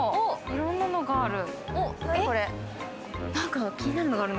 いろんなのがある。